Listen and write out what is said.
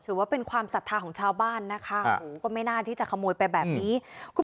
หรือว่าเป็นความสัทธาของชาวบ้านนะคะก็ไม่น่าที่จะขโมยไปแบบนี้